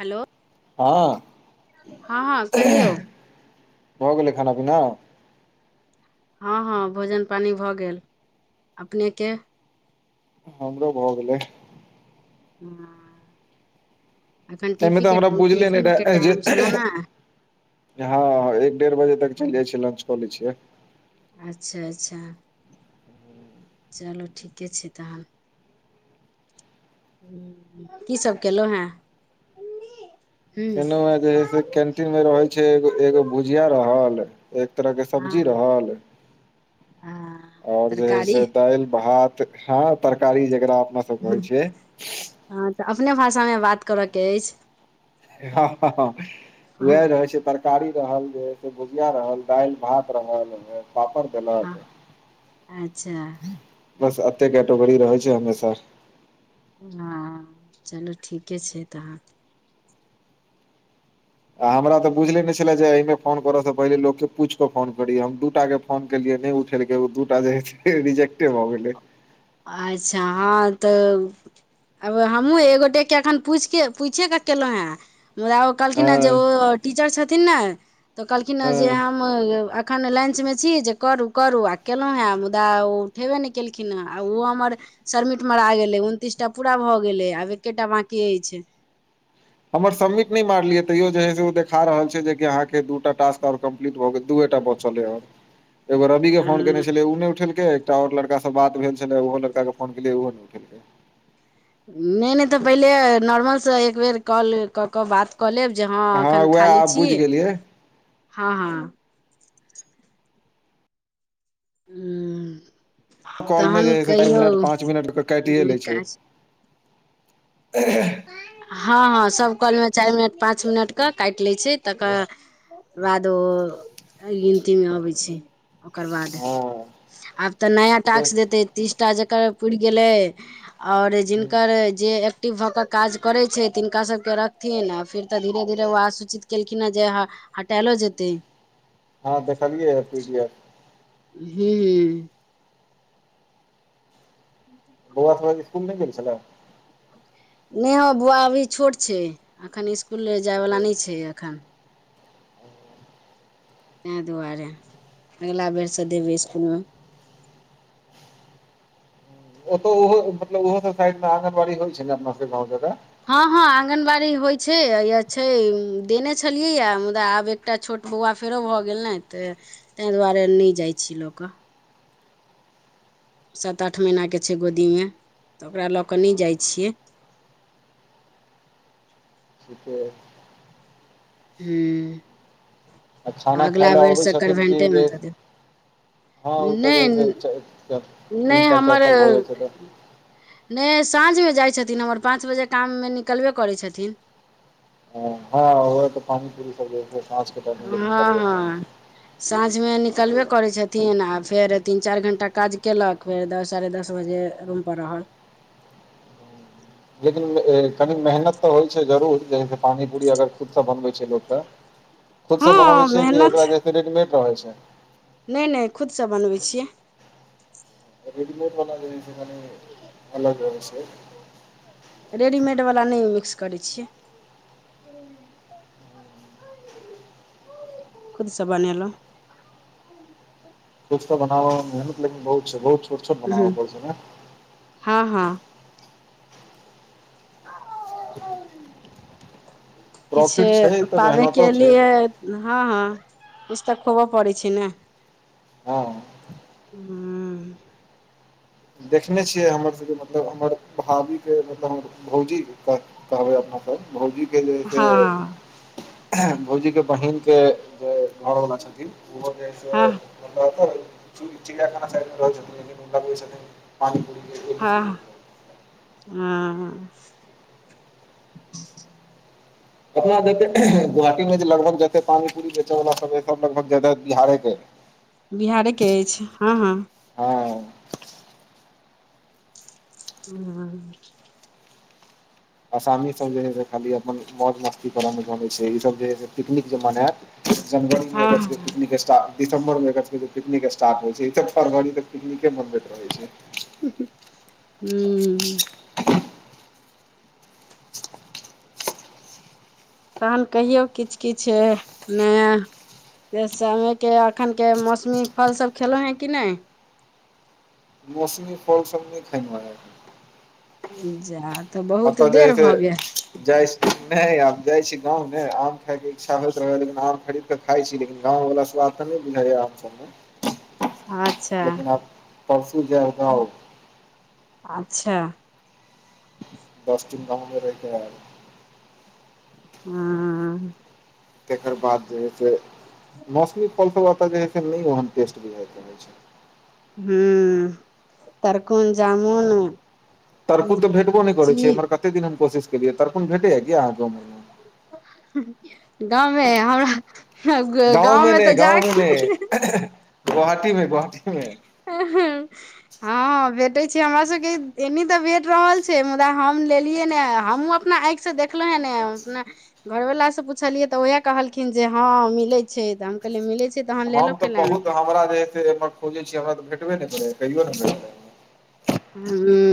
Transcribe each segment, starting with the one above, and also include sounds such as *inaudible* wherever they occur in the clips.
Hello हँ हँ हँ कहियौ भऽ गेलै खाना पीना हँ हँ भोजन पानी भऽ गेल अपने केँ हमरो भऽ गेलै *inaudible* एखन एहिमे टिफी तऽ केँ हमरा बुझले नहि टिफिन केँ रहे जे टाइम छलै ने हँ एक डेढ़ बजे तक चलि जाइ छिय लंच कऽ लै छियै अच्छा अच्छा चलू ठीके छै तहन की सभ केलहुँ हेँ हूँ खेनहु हे जे है से कैंटीन मे रहै छै ए - एगो भुजिया रहल एक तरह केँ सब्जी हँ रहल हँ आओर जे है तरकारी से दाइल भात हँ तरकारी जकरा अपना सब कहै छियै हँ तऽ अपने भाषामे बात करय केँ अछि हँ हँ हँ हँ वैह रहै छै पर कारी रहल जे है से भुजिया रहल दाइल भात रहल उहे पापर हँ देलक अच्छा बस अते कटेगोरी रहै छै हमेशा हँ चलू ठीके छै तहन आ हमरा तऽ बुझले नय छलै जे एहिमे फोन करय से पहिले लोकके पूछि कऽ फोन करी हम दू टटा केँ फोन केलियै नइ उठेलकै ओ दूटा जे है से रिजेक्टे भऽ गेलै अच्छा हँ तऽ आब हमहूँ एगोटे केँ एखन पूछिकेँ पूछै कऽ केललहुँ हेँ मुदा ओ कहलखिन हे जे हँ ओ टीचर छथिन नऽ तऽ कहलखिन हँ जे हम एखन लंच मे छी जे करू करू आ केलौं हँ मुदा ओ उठेबे नय केलखिन हे आ ओहो हमर शरमिट मरा गेलै उनतीस टा पूरा भऽ गेलै आब एकेटा बांकी अछि हमर सबमिट नय मारलियै तैयो जे ह से ओ देखा रहल छै जेकि अहाँ के दूटा टास्क और क म्प्लीट भऽ गेल दूये टा बचल एगो रवि के फोन केने नहि छल उ नय उठेलकै एकटाऔर लड़काँ बात भेल छलै ओहो लड़का के फोन केलियै ओहो ने केलकै नय नय तऽ पहिले नॉर्मलसँ एक बेेर कॉल कऽ कऽ बात कऽ लेब जे हँ एखन उएह खाली आब छी बुझि गेलियै हँ हँ ह कॉल मे जे ह चारि मिनट पाँच मिनट काटिए ले छै काज हँ हँ सभ कलमे चारि मिनट पाँच मिनटके काटि लै छै तकर बाद राधो अय गिनतीमे अबैत छै ओकर बाद हँ आब तऽ नया टास्क देतै तीस टा जकर पुरि गेलै आओर जिनकर जे एक्टिव भऽ कऽ काज करै छै तिनका सभके रखथिन आ फेर तऽ धीरे धीरे वेहे आ सूचित केलखिन हँ जे ह हटेलो जेतै हँ देखलियै ठीके हू *inaudible* बौआ सबहक इसकुल नहि ने गेलै छलै नहि हो बौआ अभी छोट छै एखन इसकुल ओतऽ जाइवला नहि छै एखन ते दुआरे अगिला बेरसँ देबै इसकुलमे ओतौ ओहो मतलब ओहो सब साइड मे आगनबाड़ी होइ छै ने अपना सब के गांव जायले हँ हँ आँगनबाड़ी होइ छै य छै देने छलियैए मुदा आब एकटा छोट बौआ फेरो भऽ गेल ने तऽ तें दुआरे नहि जाइ छी लऽ कऽ सात आठ महिनाके छै गोदीमे तऽ ओकरा लऽ केऽ नहि जाइ छियै *unintelligible* हूं आ खाना खाय लए अबै छथिन कि कन्वेन्टेमे बे दऽ देब हँ ओ तऽ जै नहि जै चायर नहि हमर नहि साँझ मे जाइ छथिन हमर पाँच बजे काम मे निकलबे करै छथिन हँ ओहऽ पानि पूरी कर छै पाँच क टाम हँ निकल हँ साँझमे निकलबे करै छथिन आ फेर तीन चारि घण्टा काज केलक फेर दस साढ़े दस बजे रूम पर रहल लेकिन कनि मेहनत तऽ होइ छै जरूर जैसे पानी पूरी अगर खुदसँ बनबै छै लोकके खुद से बनाबै हँ छियै कि मेहनत एकरा देख के रेटमेड रहै छै नहि नहि खुदसँ बनबै छियै रेडिमेड वाला जे होय छै कनी अलग रहै छै रेडीमेडवला नहि मिक्स करै छियै खुद से बनेलहुँ खुद से बनाबऽ मे मेहनत लेकिन बहुत छै बहुत छोट छोट ह बनाब पड़ छै हँ हँ ओ किछु प्रॉफिट छै तऽ पाबैन मेहनतो के छै लिए हँ हँ किछु तऽ खोबऽ पड़ै छै ने हँ ह *inaudible* देखने छियै हमर के मतलब हमर भाभी के मतलब हमर भौजी कऽ कहब अप भौजी के जे हँ छै भौजी के बहिन के जे घर वाला छथि ओहो जे हँ छै चिड़ियाखाना साइड मे रहै छथिन लेकिन हुनका कहै छथिन पानी पूरी ह एबी सी ह अपतना जते गोहाटी मे लगभग जते पानी पू बेचे वाला सभ सभ लगभग जते बिहारे के *inaudible* बिहारे के अछि ह ह ह ह। आसामी सभ जे है से खाली अपन मौज मस्ती करय मे चे छै ई सभ जे है से पिकनि क जे मनायत जनवरी मे हँ अगस्त हँ ह पिकनिक स्टारट। दिसम्बर मे अगस्त मे पिकनिक स्रट हो छै फरवरी तक पिकनिक मनबैत रहै छै हू। तखन कहियौ किछु किछु नहि। से समय के एखन के मौसमी फल सभ खेलहुँ ह कि नहि मौसमी फल सभ नहि खाई ज तऽ बहुत देर भऽ गेल जा आब जाइ छी गाव आम खाय के इच्छा होइत रह लेकिन आम खरीद खाइ छी लेकिन गाम वाला स्वथ तऽ नहि बुझाया हम सभ मे ह लेकिन अब परसू जे अच्छा। दसटिन गाममे रैके ह तकर बाद जे है से मौसमी फलसभ एतऽ जे है से नहि ओहन टेस्ट भी रहइ छै हू तकून जामुन तरकु तऽ भेटबो नहि करैत लीची छै हमर कते दिन हम कोशिश केलियै तरकुल भेटैया कि अहाँकेँ मे गामे हमरा गाँव मे गामे तऽ नहि गाँव जाय मे नहि के गोहाटी मे गोाहाटी। हा ह भेटे छी हमरा सभ के एनी तऽ भेट रहल छै मुदा हम लेलियै ने हमहुँ अपना आखि से देख देखल हेने आप घरवलासँ पुछलियै तऽ उएह कहलखिन जे ह मिलैत छै तऽ हम कहलियै मिलैत छै तहन लेलो हम तऽ कैला नहि बहुत हमरा जे ह से एमहर खोजै छै हमरा तऽ भेटबे नहि करैए कहियो ने भेटै हू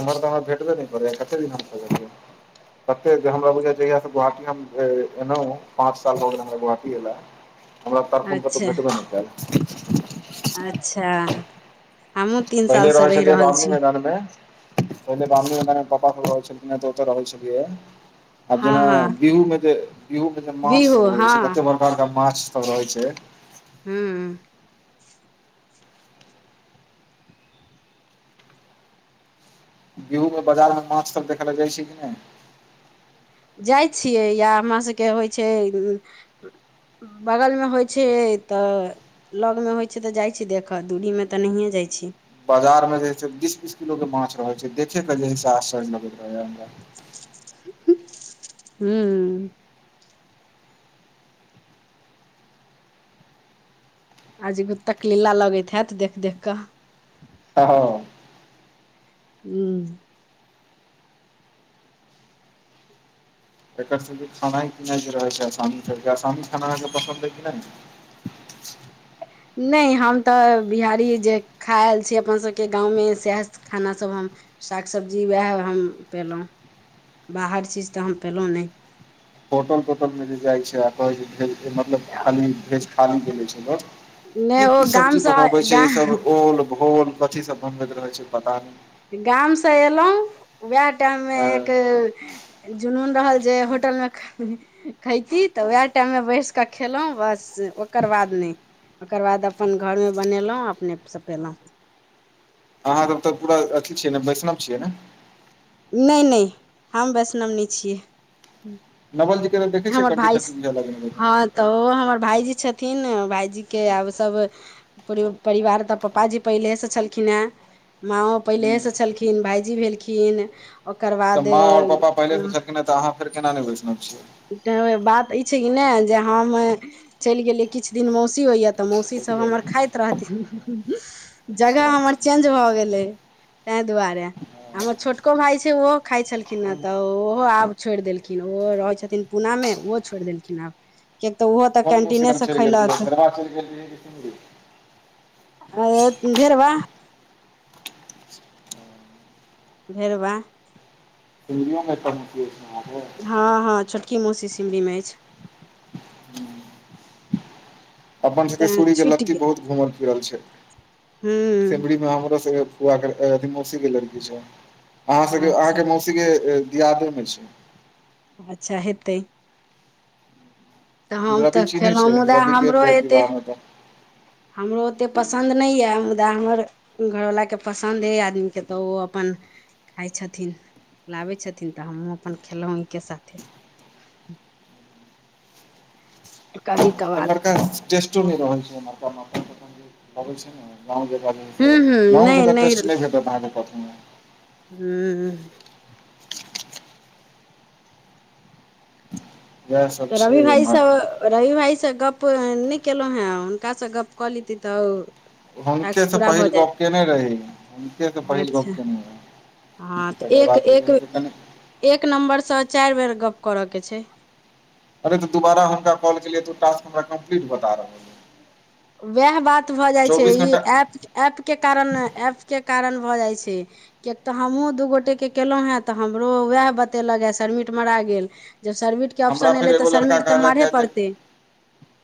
एम्हर तऽ हमह भेबे करैयै कते दिन हम सँ कते हमरा बुझ जहिया से गोवाी हम एलहु पाँच साल भऽ गेले हम गोहाटी एलाे हमरा तक कऽ तऽ अच्छा भेटबै ने अच्छा हमु पहिले रहै छललिय बामनी मैदान मे पहिले बामी पप्पा रहै छल तो तऽ रहै छै है। आब हँ जेना हँ बिहूमे जे बिहूमे जे माछ बिहू सभ हँ अबैत छै कतेक बड़का बड़का माछ सभ रहैत छै ह गेहू मे बाजार मे माछ सब देखल जाइ छै कि नहि जाइ छियै या हमर सभके होइ छै। बगलमे होइ छै तऽ लगमे होइत छै तऽ जाइ छी देखऽ दूरीमे तऽ नहिए जाइत छी। बाजार मे जे छै से बीस बीस किलो के माछ रहै छै। देखे के जे ह से आश्चर्य लगैत रहैया हमरा, हूँ आजगुत तक लीला लगैत हयैत देख देख कऽ, हँ। हूँ। एकर सबके खेाइ पीनाइके रहैत छै। आसामी आसामी खाना अहाँके पसन्द हइ कि नहि, नहि हम तऽ बिहारी जे खा आएल छी अपनसभके गाँवमे सएह, खानासभ हम साग सब्जी उएह हम पयलहुँ, बाहर चीज तऽ हम पयलहुँ नहि, होटल तोटल मे जे जाइ छै, आ कहै छैेज मतलब खाली भेज खाली भेले छै, लोक नहि की ओ की सब्जी गामसँ बनबै छै, गा ईसभ ओल भोल कथी सब बनबैत रहै छै, पता नहि गाम से एलहुँ उएह टाइम मे एक, अहाँ जुनून रहल जे होटलमे, खयती तऽ उएह टाइममे बैस कऽ खेलहुँ बस ओकर बाद नहि, ओकर बाद अपन घरमे बनेलहुँ अपने सऽ पेलहुँ अहाँ सब तऽ पूरा अथी छियै नऽ वैष्णव छियै ने नहि नहि हम वैष्णवनीी छियै। नवल जी कऽ तऽ देखिय छिये हमर कंठी भाय ठंटी सब हँ तऽ ओ हमर भाायजी छथिन भायजी के आब सब, परिवार तऽ पापाजी पहिलेसँ छलखिन हेँ। माँओ पहिलेहेसँ छलखिन भायजी भेलखिन, ओकर तऽ बाद माँ आओर पापा पहले से छलखिने तऽ अहाँ फे के नहि बैसनेल छीै। तऽ बात ई छै कि नहि जे हम, चलि गेलियै किछु दिन मौसी होइए तऽ मौसीसभ छियै हमर खाइत रहथिन, जगह अच्छा हमर अच्छा चेंज भऽ गेलै ताहि दुआरे, हँ हमर छोटको भााय छै ओहो खाइ छलखिन ने तऽ ओहो आब छोड़ि देलखिन ओहो रहै छथिन। पुना में ओहो छोड़ देलखिन आब किियक तऽ ओहो तऽ कोन मूँह कैंटीने लग से चलि खैलक, *unintelligible* ओ बेरवा भेरबा *unintelligible* हँ हँ छोटकी मौसी सिमरी मे अछि अपन सबके तें सूरी के छुटि लत्ती गेल बहुत घूमल फिरल छै। हूँ सिमरी में हमरो सबके मौसी के लड़की छै अहाँ सब अच्छा अहाँके मौसी के दियादे मे छी। अच्छा हतै। तऽ हम रवि तऽ चिन्है खेलहुँ छै मुदा रवि गेल हमरो रहै एयतै। विवाहमे तऽ हमरो ओतेक पसन्द नहि यऽ मुदा हमर, घरवलाके पसन्द अइ आदमीकेँ तऽ ओ अपन, खाइ छथिन लाबै छथिन तऽ हमहूँ अपन खेलहुँ हिनके साथे कभी कभार एम्हरकाटटो रह छै गं ग जगह टेस्ट हूँ हूँ नहि नहि भेटत अहाँके कह हू। इएह सब रवि छै भाइजी एम्हर सभ रही भाई सँ गप नहि केलहुँ हँ हुनकासँ गप्प कऽ लेती तऽ हुनके टास्क से पूरा भऽ पहिल जायत गप केने रहहि हुनके से पहिल गप अच्छा केने रहि हँ तऽ तकर एक भात। एक एक नम्बरसँ चारि बेर गप्प करय के छै अरे तऽ दुबारा हम कॉल केलियै तऽ ओ टास्क हमरा कम्ली बता रहल छै। वएह बात भऽ जाई छै, चौबीस ई घंटा एप एमऐप के कारण एऐप के कारण भऽ जाइ छै। किएकि तऽ हमहूँ दू गोटेके केललहुँ हे तऽ हमरो उएह बतेलक सरमिट मरा गेल जब शर्मिट के हमरा ऑप्शन फेर एलै एगो तऽ लड़का शर्विट तऽ कहलक मार हे जे पड़तै।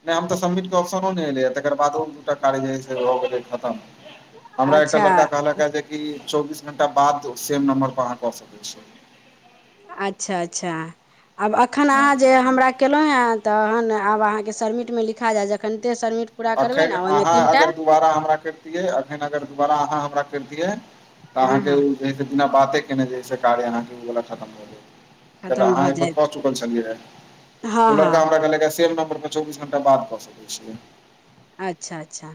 नहि हम तऽ सभमिट के ऑप्शनो नहि एलै ह तकरादो दूटा कार्य है से हो गेलै खतम हमरा एकटा अच्छा लड़का कहलक ह जेक चौबीस घंटा बाद सेम नम्बर पर अहाँ कऽ सकैत छिय अच्छा अच्छा। आब एखन अहाँ हँ जे हमरा केलहुँ ह तहन आब अहाँकेँ सबमिटमे लिखा जायत जखनिते सबमिट पूरा करबै अखन ने ओहिमे अहाँ तीन टा अगर त दारा हमरा करितिये अखन अगर दुबारा अहाँ हमरा करतियै तऽ हँ अहाँकेँ हँ जे है बिना बाते केने जे है कार्य अहाँकेँ ओ वला खतम हो गेलै कऽ तऽ खतम अहाँ भऽ एक जायत कऽ चुकल हँ हँ छलियड़का हमराम नम्बर पर चौबी घंटा बाद बस रहे अच्छा अच्छा।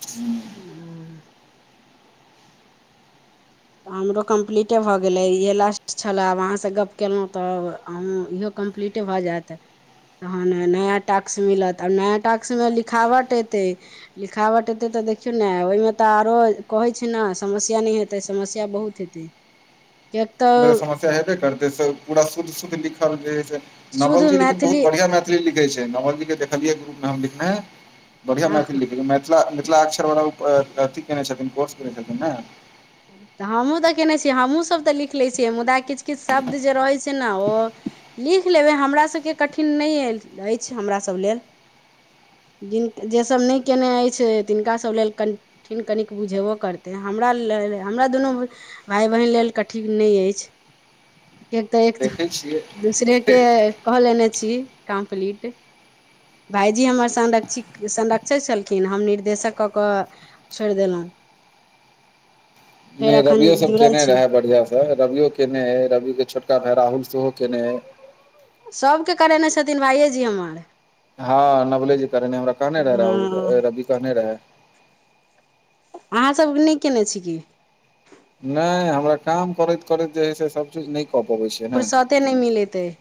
ह ह। तऽ हमरो कम्प्लीटे भऽ गेलै इहे लास्ट छलै आब अहाँ से गप्प कलहुँ तऽ हमहूँ इहो कम्प्लीटे भऽ जात है। तखन नया टास्क मिलत आब नया टास्क मे लिखावट अतै लिखावट एतै तऽ देखियौ ने ओहिमे तऽ आरो कहै छै ने समस्या नहि हेते समस्या बहुत हेते समस्या हेबे करतै पूरा शध शद लिखल जे शुद्ध नवलजी लेकिन बहुत मैथिली बढ़िया लिखे छै नवलजी के देखलियै ग्रुप नाम लिखने। बढ़िआ हँ मैथिल लिखै छै मिथिला मिथिलाक्षर वला ओ अथी कने छथिन कोर्स करने छथिन ने तऽ हमहूँ तऽ केने छियै हमहूँसभ तऽ लिख लऽ छियै मुदा किछु किछु शब्द जे रहै छै ने ओ लिख लेबै हमरा सभके कठिन नहिल अछि हमरासभ लेलऽ जिन जेसभ नहि कयने अछि तिनका सभ लेलऽ कन ठिन कनिक बुझेबो करतै हमरा लेलऽ हमरा दुनू भाय बहिन लेलऽ कठिन नहि अछि कऽ तऽ एक देखै छियै दूसरे के कह लेने छी कम्प्लीट भायजी हमर संरक्षित संरक्ष कऽ छलखिन हम निर्देशक कऽ कऽ छड़ देलहूँ नहि एखन रबियो सभ जुड़ल केयने छी रहे बढ़िया से रवियो केने है रवि के छोटका भाय राहुल सेहो केने है। सभके करेने छथिन भाईऐ जी हमर ह नवलेजी कर हमरा कहने हँ रहे रवि कहने रहे अहाँ सभ नहि कयने छी कि नहि हमरा काम करैत करैत जे हैं से सभचीज नहि कऽ पबैत छियै ने कते नहि मिलेत